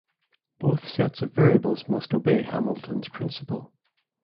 Both sets of variables must obey Hamilton's principle.